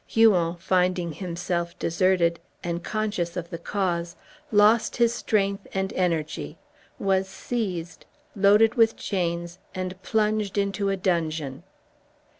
Huon, finding himself deserted, and conscious of the cause, lost his strength and energy, was seized, loaded with chains, and plunged into a dungeon.